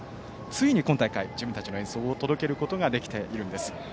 ついに今大会、自分たちの演奏を届けることができているんです。